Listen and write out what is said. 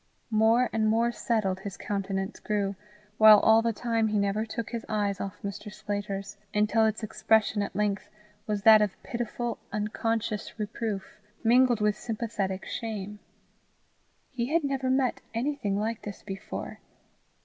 More and more settled his countenance grew, while all the time he never took his eyes off Mr. Sclater's, until its expression at length was that of pitiful unconscious reproof, mingled with sympathetic shame. He had never met anything like this before.